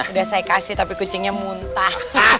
udah saya kasih tapi kucingnya muntah